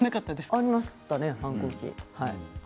ありましたね、反抗期。